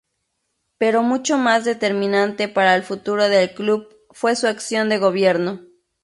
Pero mucho más determinante para el futuro del club fue su acción de gobierno.